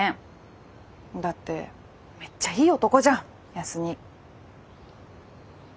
だってめっちゃいい男じゃん康にぃ。